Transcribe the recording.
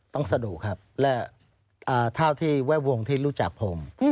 ต้องสะดวกครับและเท่าที่แวดวงที่รู้จักผม